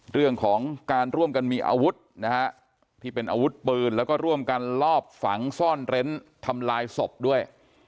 เรื่องของการร่วมกันมีอาวุธนะฮะที่เป็นอาวุธปืนแล้วก็ร่วมกันลอบฝังซ่อนเร้นทำลายศพด้วย